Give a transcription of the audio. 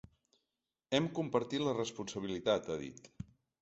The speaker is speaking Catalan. Hem de compartir la responsabilitat, ha dit.